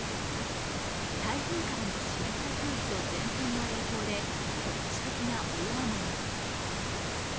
台風からの湿った空気と前線の影響で局地的な大雨も。